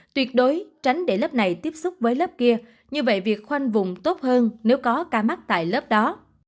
tuyệt đối tránh để lớp này tiếp xúc với lớp kia như vậy việc khoanh vùng tốt hơn nếu có ca mắc tại lớp đó